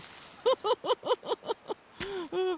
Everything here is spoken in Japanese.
フフフフフ！